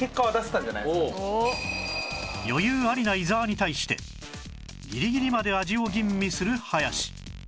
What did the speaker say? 余裕ありな伊沢に対してギリギリまで味を吟味する林